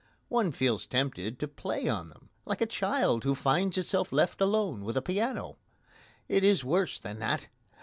One feels tempted to play on them, like a child who finds itself left alone with a piano. It is worse than that.